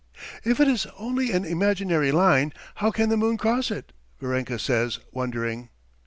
"If it is only an imaginary line, how can the moon cross it?" Varenka says, wondering.